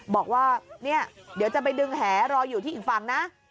บอกว่าเนี่ยเดี๋ยวจะไปดึงแหรออยู่ที่อีกฝั่งนะ